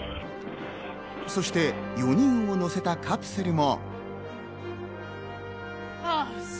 そして４人を乗せたカプセルも。